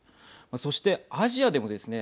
そして、アジアでもですね